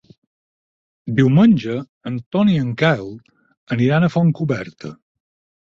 Diumenge en Ton i en Quel aniran a Fontcoberta.